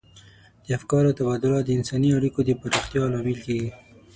د افکارو تبادله د انساني اړیکو د پراختیا لامل کیږي.